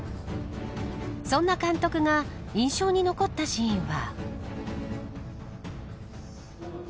そんな監督が印象に残ったシーンは。